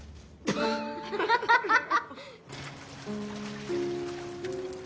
アハハハハ。